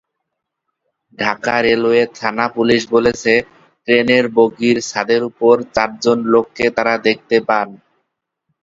Dhaka railway থানা-পুলিশ বলছে, ট্রেনের বগির ছাদের ওপর চারজন লোককে তাঁরা দেখতে পান।